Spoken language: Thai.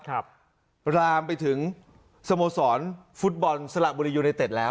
รามไปถึงสโมสรฟุตบอลสละบุรียูไนเต็ดแล้ว